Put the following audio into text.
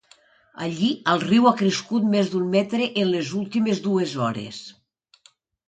Allí el riu ha crescut més d’un metre en les últimes dues hores.